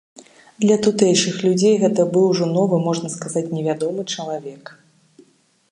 Для тутэйшых людзей гэта быў ужо новы, можна сказаць, невядомы чалавек.